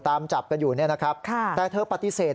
ตามจับกันอยู่เนี่ยนะครับแต่เธอปฏิเสธ